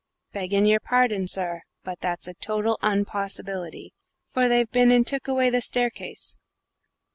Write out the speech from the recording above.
"Begging your pardon, sir, but that's a total unpossibility for they've been and took away the staircase.'